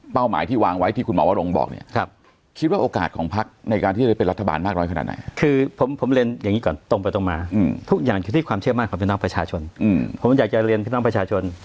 ผมอยากจะเรียนพี่น้องประชาชน